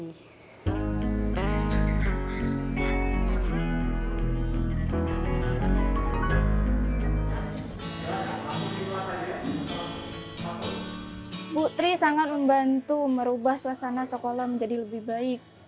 ibu tri sangat membantu merubah suasana sekolah menjadi lebih baik